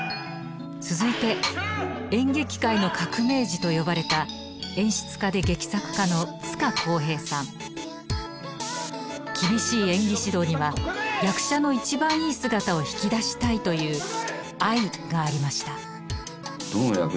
続いて演劇界の革命児と呼ばれた厳しい演技指導には役者の一番いい姿を引き出したいという愛がありました。